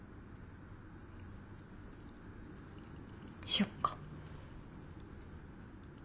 しよっか。